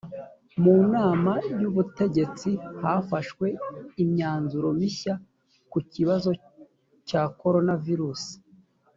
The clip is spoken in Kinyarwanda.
mu nama yubutegetsi hafashwe imyanzuro mishya kukibazo cyo korona virusi